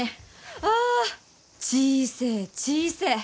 ア小せえ小せえ。